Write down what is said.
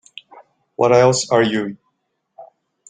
What else are you?